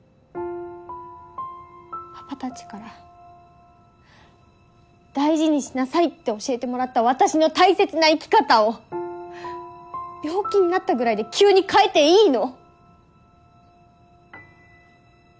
パパたちから大事にしなさいって教えてもらった私の大切な生き方を病気になったぐらいで急に変えていいの？